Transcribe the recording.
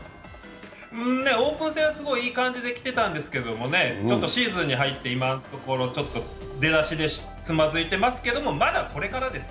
オープン戦は、すごいいい感じできてたんですけどね、シーズンに入って今のところ出だしでつまずいてますけどまだこれからです。